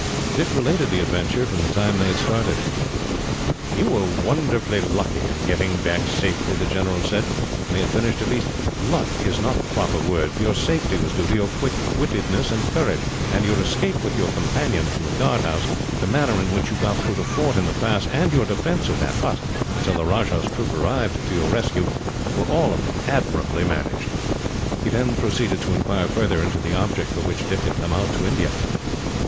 Dick related the adventure, from the time they had started. "You were wonderfully lucky, in getting back safely," the general said, when he had finished. "At least, luck is not the proper word, for your safety was due to your quick wittedness and courage; and your escape with your companion from the guard house, the manner in which you got through the fort in the pass, and your defence of that hut, until the Rajah's troop arrived to your rescue, were all of them admirably managed." He then proceeded to inquire further into the object for which Dick had come out to India.